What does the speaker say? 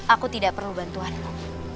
aku tidak perlu bantuanmu